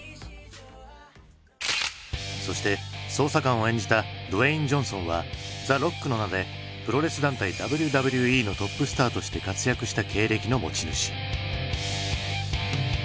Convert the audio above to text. そして捜査官を演じたドウェイン・ジョンソンはザ・ロックの名でプロレス団体ＷＷＥのトップスターとして活躍した経歴の持ち主。